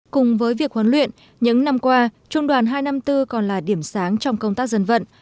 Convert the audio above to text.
cùng với việc huấn luyện những năm qua trung đoàn hai trăm năm mươi bốn còn là điểm sáng trong công tác dân vận